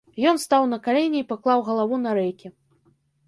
Ён стаў на калені і паклаў галаву на рэйкі.